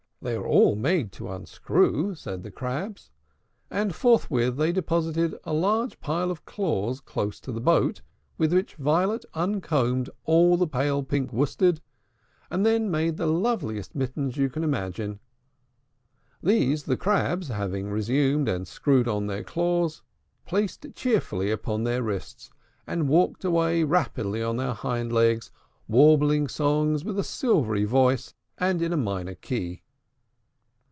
"They are all made to unscrew," said the Crabs; and forthwith they deposited a great pile of claws close to the boat, with which Violet uncombed all the pale pink worsted, and then made the loveliest mittens with it you can imagine. These the Crabs, having resumed and screwed on their claws, placed cheerfully upon their wrists, and walked away rapidly on their hind legs, warbling songs with a silvery voice and in a minor key.